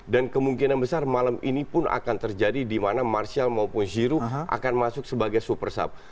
dan kemungkinan besar malam ini pun akan terjadi di mana martial maupun giroud akan masuk sebagai super sub